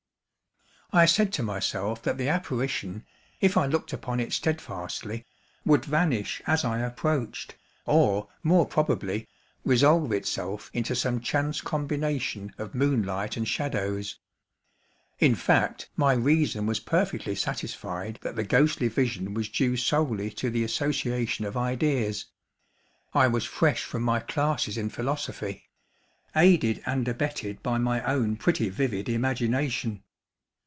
I said to myself that the apparition, if I looked upon it steadfastly, would vanish as I approached, or, more probably, resolve itself into some chance combination of moonlight and shadows. In fact, my reason was perfectly satisfied that the ghostly vision was due solely to the association of ideas,—I was fresh from my classes in philosophy,—aided and abetted by my own pretty vivid imagination.